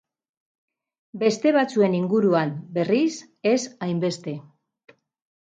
Beste batzuen inguruan, berriz, ez hainbeste.